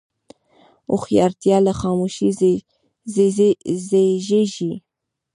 هوښیارتیا له خاموشۍ زیږېږي.